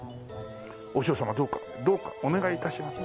「和尚様どうかどうかお願い致します」